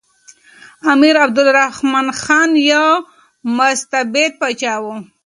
امیر عبدالرحمن خان یو مستبد پاچا و.